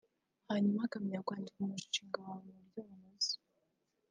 hanyuma ukamenya kwandika umushinga wawe mu buryo bunononsoye